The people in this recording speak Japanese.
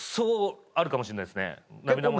あるかもしんないですね。